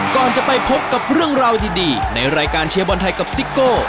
ก่อนจะไปพบกับเรื่องราวดีในรายการเชียร์บอลไทยกับซิโก้